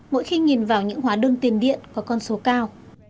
mỗi khi nhìn vào những hóa đơn tiền điện có con số cao